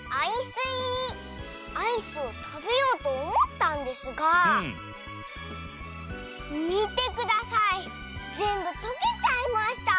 スイアイスをたべようとおもったんですがみてくださいぜんぶとけちゃいました。